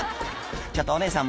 ちょっとお姉さん